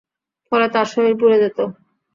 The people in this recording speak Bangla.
ফলে তার শরীর পুড়ে যেত।